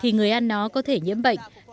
thì người ăn nó có thể nhiễm bệnh